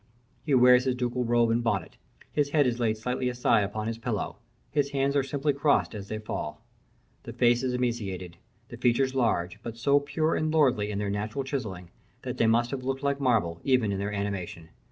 He wears his ducal robe and bonnet his head is laid slightly aside upon his pillow his hands are simply crossed as they fall. The face is emaciated, the features large, but so pure and lordly in their natural chiselling, that they must have looked like marble even in their animation.